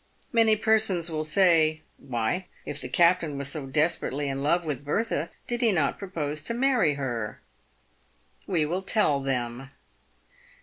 Many persons will say, " Why, if the captain was so desperately in love with Bertha, did he not propose to marry her?" "We will tell them.